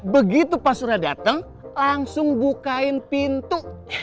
begitu pak surya datang langsung bukain pintu